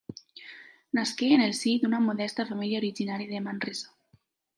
Nasqué en el si d'una modesta família originària de Manresa.